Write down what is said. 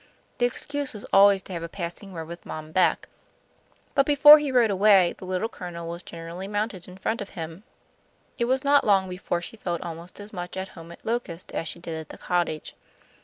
The excuse was always to have a passing word with Mom Beck. But before he rode away, the Little Colonel was generally mounted in front of him. It was not long before she felt almost as much at home at Locust as she did at the cottage.